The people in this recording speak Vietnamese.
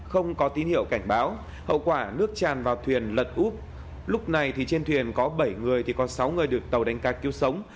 không có tín hiệu cảnh báo hậu quả nước tràn vào thuyền lật úp lúc này trên thuyền có bảy người thì có sáu người được tàu đánh cá cứu sống